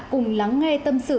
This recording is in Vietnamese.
cùng lắng nghe tâm sự